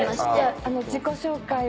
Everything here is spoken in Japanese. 自己紹介を。